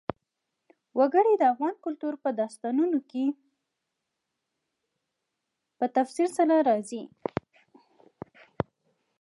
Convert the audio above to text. وګړي د افغان کلتور په داستانونو کې په تفصیل سره راځي.